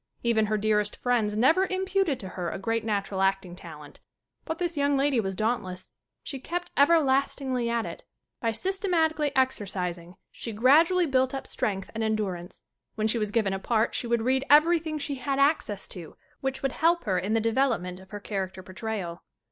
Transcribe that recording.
Even her dearest friends never imputed to her a great natural acting talent. But this young lady was dauntless. She kept everlastingly at it. By systematically ex ercising she gradually built up strength and endurance. When she was given a part she read everything she had access to which would help her in the development of her character portrayal.